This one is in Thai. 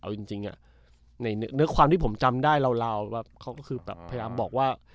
เอาจริงในเนื้อความที่ผมจำได้ราวเขาก็คือแบบพยายามบอกว่า